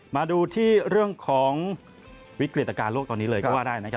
มาดูที่เรื่องของวิกฤตการณโลกตอนนี้เลยก็ว่าได้นะครับ